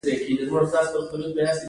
قالین اوبدل هم د دوی د کار یوه برخه وه.